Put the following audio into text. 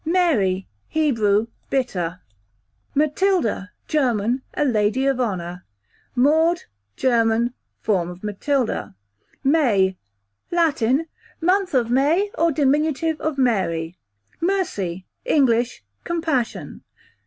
Mary, Hebrew, bitter. Matilda, German, a lady of honour. Maud, German, form of Matilda, q.v. May, Latin, month of May, or dim. of Mary, q.v. Mercy, English, compassion.